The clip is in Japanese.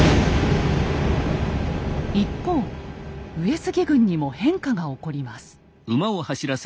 一方上杉軍にも変化が起こります。